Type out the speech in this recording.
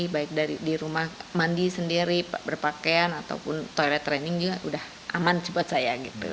baik dari di rumah mandi sendiri berpakaian ataupun toilet training juga udah aman buat saya gitu